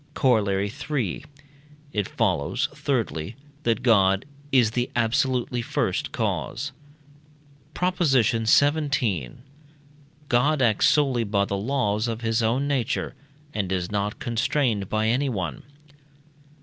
Corollary III. It follows, thirdly, that God is the absolutely first cause. PROP. XVII. God acts solely by the laws of his own nature, and is not constrained by anyone.